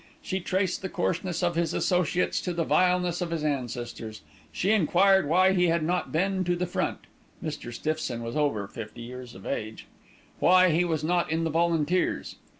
She traced the coarseness of his associates to the vileness of his ancestors. She enquired why he had not been to the front (Mr. Stiffson was over fifty years of age), why he was not in the volunteers.